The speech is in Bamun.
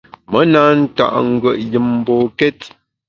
Me na nta’ ngùet yùm mbokét.